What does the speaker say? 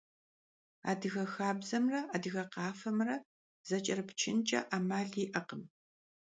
Adıge xabzemre adıge khafemre zeç'erıpçınç'e 'emal yi'ekhım.